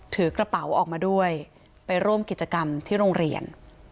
ถือกระเป๋าออกมาด้วยไปร่วมกิจกรรมที่โรงเรียน